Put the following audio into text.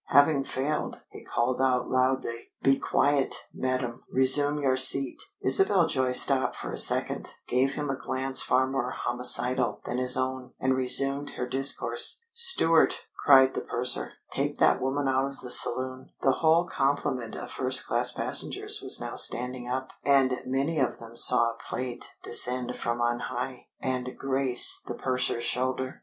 Having failed, he called out loudly: "Be quiet, madam. Resume your seat." Isabel Joy stopped for a second, gave him a glance far more homicidal than his own, and resumed her discourse. "Steward," cried the purser, "take that woman out of the saloon." The whole complement of first class passengers was now standing up, and many of them saw a plate descend from on high, and grace the purser's shoulder.